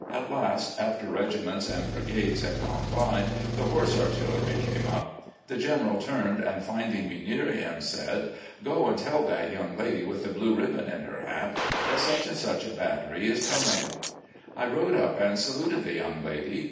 At last, after regiments and brigades had gone by, the Horse Artillery came up. The General turned and, finding me near him, said, ' Go and tell that young lady with the blue ribbon in her hat that such and such a battery is coming.' "I rode up and saluted the young lady.